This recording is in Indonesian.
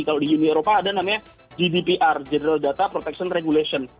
kalau di uni eropa ada namanya gdpr general data protection regulation